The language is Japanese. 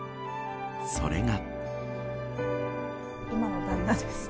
それが。